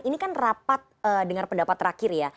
ini kan rapat dengan pendapat terakhir ya